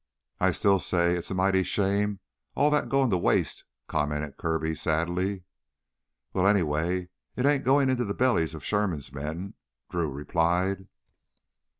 "I still say it's a mighty shame, all that goin' to waste," commented Kirby sadly. "Well, anyway it ain't goin' into the bellies of Sherman's men," Drew replied.